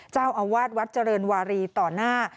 เจ้าอวัดวรรจัรเวรวาลีต่อหน้า